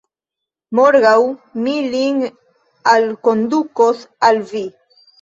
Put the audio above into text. Morgaŭ mi lin alkondukos al vi.